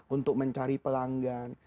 untuk mencari pelanggan